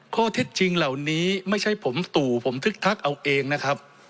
ข้อเท็จจริงเหล่านี้ไม่ใช่ผมตู่ผมทึกทักเอาเองนะครับ